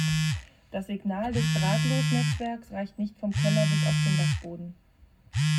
Das Signal des Drahtlosnetzwerks reicht nicht vom Keller bis auf den Dachboden.